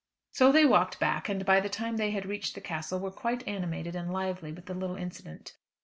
So they walked back, and by the time they had reached the Castle were quite animated and lively with the little incident.